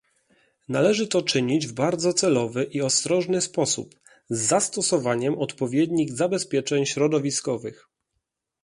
Należy to czynić w bardzo celowy i ostrożny sposób, z zastosowaniem odpowiednich zabezpieczeń środowiskowych